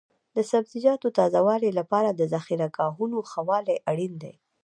د سبزیجاتو تازه والي لپاره د ذخیره ګاهونو ښه والی اړین دی.